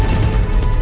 ya udah aku nelfon